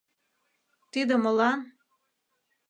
Тиде молан?